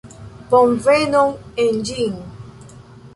Bonvenon en ĝin!